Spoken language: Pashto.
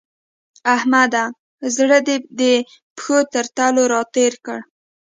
احمده! زړه دې د پښو تر تلو راتېر کړ.